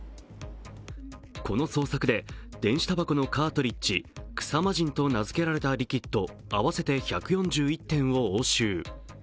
この捜索で電子たばこのカートリッジ草魔人と名付けられたリキッド合わせて１４１点を押収。